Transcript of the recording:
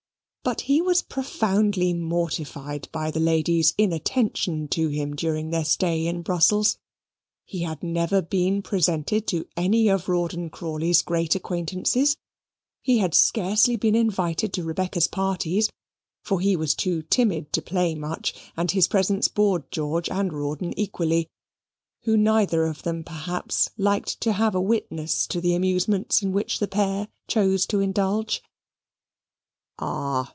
But he was profoundly mortified by the lady's inattention to him during their stay at Brussels. He had never been presented to any of Rawdon Crawley's great acquaintances: he had scarcely been invited to Rebecca's parties; for he was too timid to play much, and his presence bored George and Rawdon equally, who neither of them, perhaps, liked to have a witness of the amusements in which the pair chose to indulge. "Ah!"